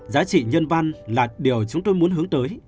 giá trị nhân văn là điều chúng tôi muốn hướng tới